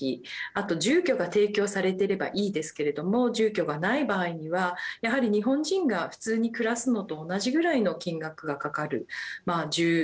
あと、住居が提供されていればいいですけれども住居がない場合にはやはり日本人が普通に暮らすのと同じぐらいの金額がかかる。